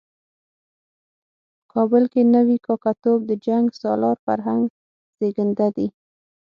په کابل کې نوی کاکه توب د جنګ سالار فرهنګ زېږنده دی.